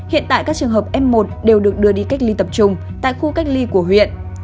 hiện tại các trường hợp f một đều được đưa đi cách ly tập trung tại khu cách ly của huyện